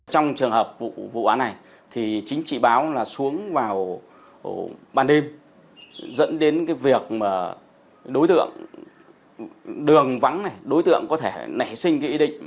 trong trường hợp vụ án này thì chính chị báo là xuống vào ban đêm dẫn đến cái việc mà đối tượng đường vắng này đối tượng có thể nảy sinh cái ý định